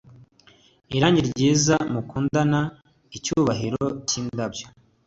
Irangi ryiza mukundana icyubahiro cyindabyo